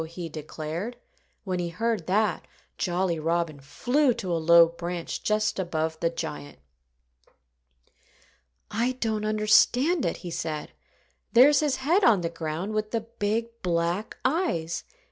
he declared. When he heard that, Jolly Robin flew to a low branch just above the giant. "I don't understand it," he said. "There's his head on the ground, with the big, black eyes.